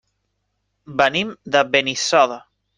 Venim de Benissoda.